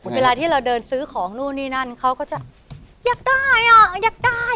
เวลาที่เราเดินซื้อของนู่นนี่นั่นเขาก็จะอยากได้อ่ะอยากได้